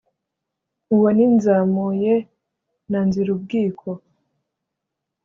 Uwo ni Nzamuye na Nzirubwiko